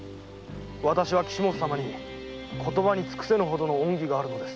わたしは岸本様に言葉に尽くせぬ恩義があるのです。